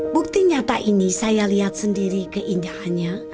bukti nyata ini saya lihat sendiri keindahannya